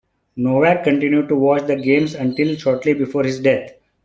Nowak continued to watch the games until shortly before his death.